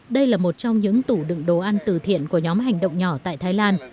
đây là một trong những tủ đựng đồ ăn từ thiện của nhóm hành động nhỏ tại thái lan